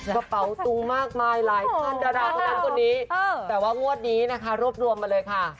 กระเป๋าซูมากมายหลายท่านดาราคนนั้นคนนี้แต่ว่างวดนี้นะคะรวบรวมมาเลยค่ะ